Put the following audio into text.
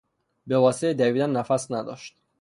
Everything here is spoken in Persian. به واسطهی دویدن نفس نداشت.